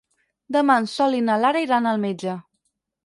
Demà en Sol i na Lara iran al metge.